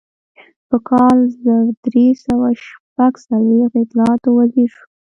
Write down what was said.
په کال زر درې سوه شپږ څلویښت د اطلاعاتو وزیر شو.